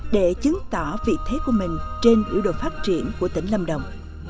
để chứng tỏ vị thế của mình trên yếu đuổi phát triển của tỉnh lâm đồng